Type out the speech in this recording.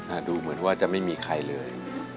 ดูเหมือนว่าจะไม่มีใครเลย